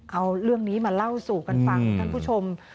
เอาเรื่องนี้มาเล่าสู่กันฟังท่านผู้ชม